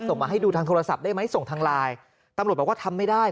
มาให้ดูทางโทรศัพท์ได้ไหมส่งทางไลน์ตำรวจบอกว่าทำไม่ได้